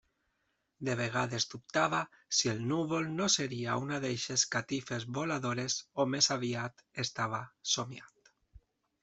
De vegades dubtava si el núvol no seria una d'eixes catifes voladores, o més aviat estava somiant.